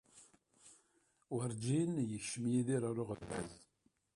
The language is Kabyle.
Werǧin yekcim Yidir ɣer uɣerbaz.